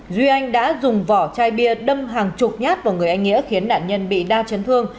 duy anh đã dùng vỏ chai bia đâm hàng chục nhát vào người anh nghĩa khiến nạn nhân bị đa chấn thương